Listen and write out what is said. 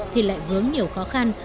thì lại hướng nhiều khó khăn